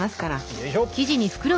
よいしょ。